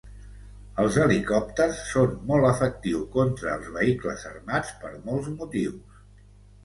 Els helicòpters són molt efectius contra els vehicles armats per molts motius.